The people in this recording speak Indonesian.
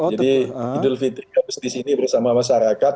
jadi idul fitri habis di sini bersama masyarakat